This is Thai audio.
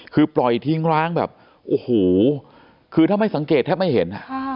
คือปล่อยทิ้งร้างแบบโอ้โหคือถ้าไม่สังเกตแทบไม่เห็น